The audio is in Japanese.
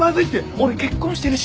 俺結婚してるし！